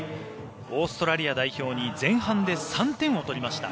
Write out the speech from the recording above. オーストラリア代表に前半で３点を取りました。